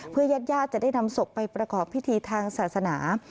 เพื่อญาติญาติจะได้นำศพไปประกอบพิธีทางศาสนา